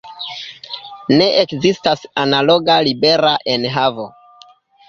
Ne ekzistas analoga libera enhavo.